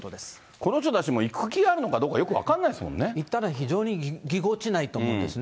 この人たちも行く気あるのかどうか、行ったら非常にぎこちないと思うんですね。